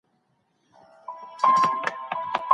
د ږیري خاوند ډنډ ته د چاڼ ماشین وړي.